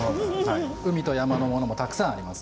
海と山のものたくさんあります。